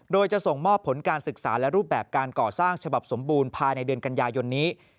โดยจะส่งมอบผลการศึกษาและรูปแบบการก่อสร้างฉบับสมบูรณ์ภายในเดือนกันยายนนี้